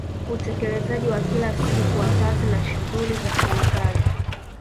Utekelezaji wa kila siku wa kazi na shughuli za Serikali